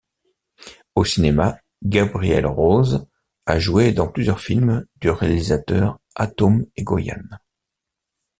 Au cinéma, Gabrielle Rose a joué dans plusieurs films du réalisateur Atom Egoyan.